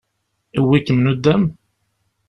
Yewwi-kem nuddam?